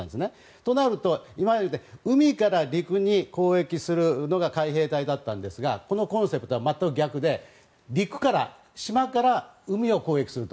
となると、今言った海から陸に攻撃するのが海兵隊だったんですがこのコンセプトは全く逆で陸から島から海を攻撃すると。